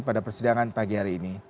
pada persidangan pagi hari ini